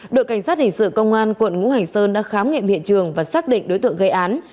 đội cảnh sát hình sự công an quận ngũ hành sơn đã khám nghiệm hiện trường và xác định đối tượng gây án